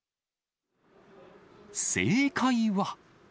正解は。